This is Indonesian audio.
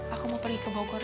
aku mau pergi ke bogor